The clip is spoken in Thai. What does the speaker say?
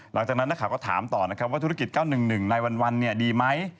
หลังจากนั้นนักข่าวก็ถามต่อนะครับว่าธุรกิจ๙๑๑ในวันดีไหม